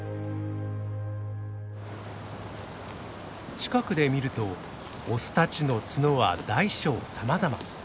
近くで見るとオスたちの角は大小さまざま。